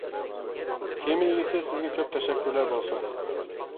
تېما ئىگىسى سىزگە كۆپ تەشەككۈرلەر بولسۇن!